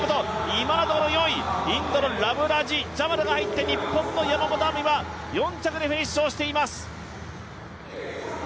今のところ４位、インドのラムラジ、ジャマルが入って日本の山本亜美は４着でフィニッシュしています！